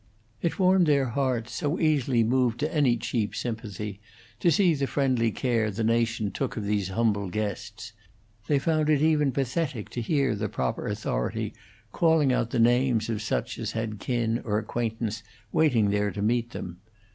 It warmed their hearts, so easily moved to any cheap sympathy, to see the friendly care the nation took of these humble guests; they found it even pathetic to hear the proper authority calling out the names of such as had kin or acquaintance waiting there to meet them.